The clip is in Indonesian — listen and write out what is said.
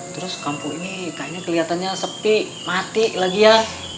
terus kampung ini kayaknya kelihatannya sepi mati lagi ya